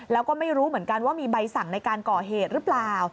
แล้วก็ไม่รู้เหมือนกันว่ามีใบสั่งในการก่อเหตุหรือเปล่า